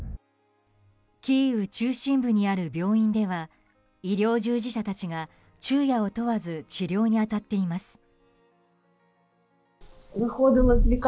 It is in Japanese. キーウ中心部にある病院では医療従事者たちが、昼夜を問わず治療に当たっています。